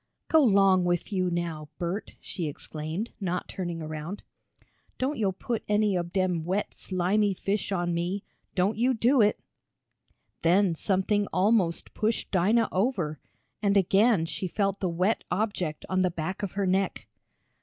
"Go 'long wif yo' now, Bert!" she exclaimed, not turning around. "Don't yo' put any ob dem wet slimy fish on me. Don't you do it!" Then something almost pushed Dinah over, and again she felt the wet object on the back of her neck.